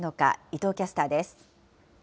伊藤キャスターです。